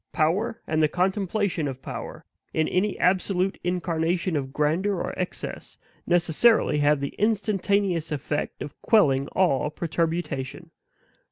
Power, and the contemplation of power, in any absolute incarnation of grandeur or excess, necessarily have the instantaneous effect of quelling all perturbation.